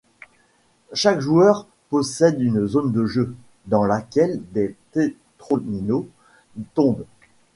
Chaque joueur possède une zone de jeu, dans laquelle des tétrominos tombent.